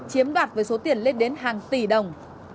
chiếm đoạt với số tiền lên đến hàng tỷ đồng